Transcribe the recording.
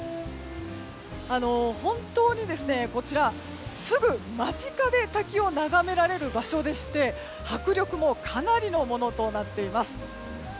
本当にすぐ間近で滝を眺められる場所でして迫力もかなりのものとなっています。